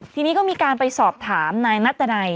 ทีนี้ก็มีการไปสอบถามนายนัตดันัย